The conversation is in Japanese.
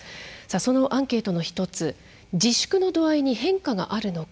そのアンケートの１つ自粛の度合いに変化があるのか。